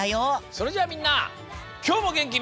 それじゃあみんなきょうもげんきに。